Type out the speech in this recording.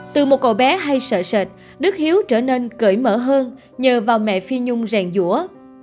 từ một cậu bé hay sợ sệt đức hiếu trở nên cởi mở hơn nhờ vào mẹ phi nhung rèn rũa